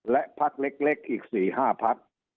และพักเล็กอีก๔๕พัก